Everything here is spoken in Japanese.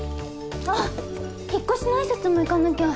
あっ引っ越しの挨拶も行かなきゃ。